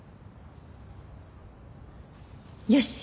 よし。